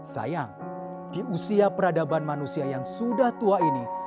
sayang di usia peradaban manusia yang sudah tua ini